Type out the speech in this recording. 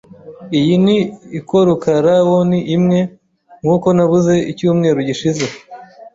Iyi ni ikorukaraoni imwe nkuko nabuze icyumweru gishize .